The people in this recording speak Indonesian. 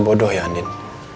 gak usah bodoh ya andin